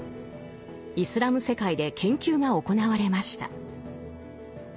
イスラム世界で研究が行われました。